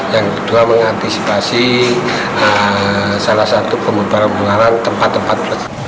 yang kedua mengantisipasi salah satu pemubaran pemubaran tempat tempat